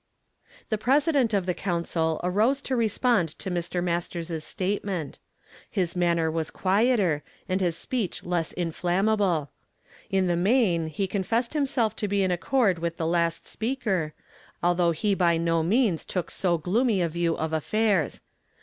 The President of the Council arose to respond to Mr. Mastei s's statement. His manner was quieter, and his speech less inflammable. In the main he confessed himself to be in accord with ^■ d last speaker, although he by no means took so gloomy a view of affairs.